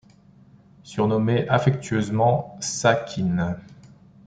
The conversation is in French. Surnommée affectueusement Sacchin.